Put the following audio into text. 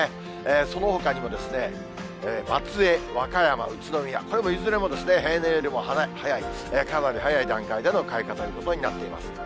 そのほかにも松江、和歌山、宇都宮、これもいずれも平年よりも早い、かなり早い段階での開花ということになっています。